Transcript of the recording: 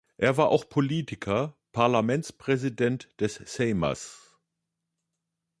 Er war auch Politiker, Parlamentspräsident des Seimas.